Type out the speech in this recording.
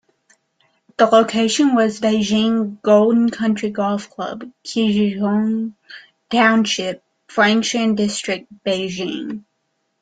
The location was Beijing Golden Century Golf Club, Qinglonghu Township, Fangshan District, Beijing.